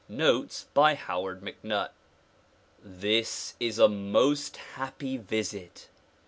Notes by Howard MacNutt THIS is a most happy visit.